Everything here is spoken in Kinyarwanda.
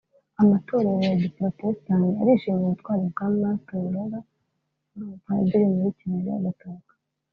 Amatorero ya giporotesitanti arishimira ubutwari bwa Martin Luther wari umupadiri muri Kiliziya Gatolika